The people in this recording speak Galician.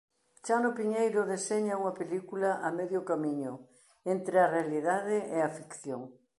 Chano Piñeiro deseña unha película a medio camiño entre a realidade e a ficción.